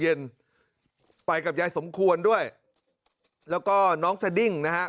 เย็นไปกับยายสมควรด้วยแล้วก็น้องสดิ้งนะฮะ